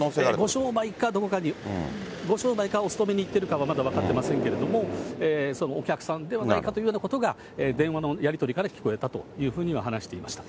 お商売かどうか、お勤めに行っているか、まだ分かりませんけれども、そのお客さんではないかというようなことが、電話のやり取りから聞こえたというふうには話していました。